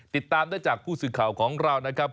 ติดตามได้จากผู้สื่อข่าวของเรานะครับ